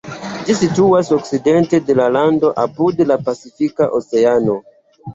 Ĝi situas okcidente de la lando, apud la Pacifika Oceano.